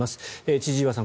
千々岩さん